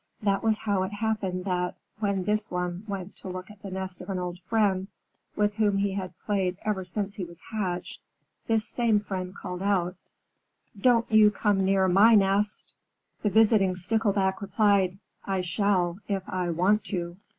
That was how it happened that, when this one went to look at the nest of an old friend, with whom he had played ever since he was hatched, this same friend called out, "Don't you come near my nest!" The visiting Stickleback replied, "I shall if I want to!"